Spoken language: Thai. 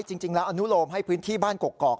จริงแล้วอนุโลมให้พื้นที่บ้านกกอก